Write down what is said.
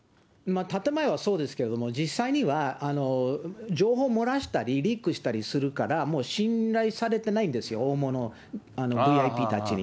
建前はそうですけども、実際には、情報を漏らしたりリークしたりするから、もう信頼されてないんですよ、大物、ＶＩＰたちに。